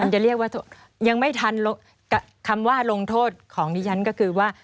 จะเรียกว่ายังไม่ทันคำว่าลงโทษของดิฉันก็คือว่า